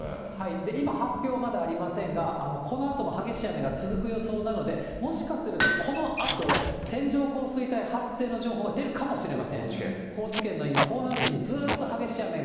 今、発表、まだありませんが、このあとも激しい雨が続く予想なので、もしかするとこのあと、線状降水帯発生の情報が出るかもしれません。